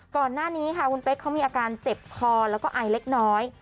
ก่อนหน้านี้ค่ะคุณเป๊กเขามีอาการเจ็บคอแล้วก็ไอเล็กน้อย